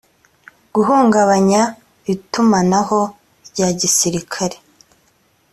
guhungabanya itumanaho rya gisirikare